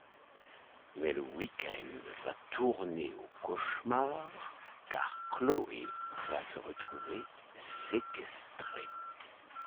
Mais le week-end va tourner au cauchemar car Chloé va se retrouver séquestrée.